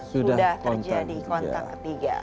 sudah terjadi kontak ketiga